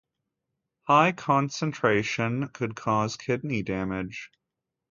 High concentration could cause kidney damage.